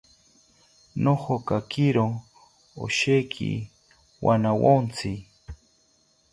Nojokakiro osheki wanawontzi